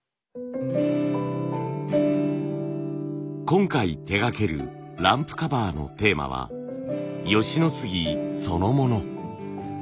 今回手がけるランプカバーのテーマは「吉野杉」そのもの。